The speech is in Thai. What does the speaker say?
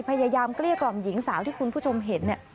พยายามกรี๊ดกล่อมหญิงสาวที่คุณผู้ชมเห็น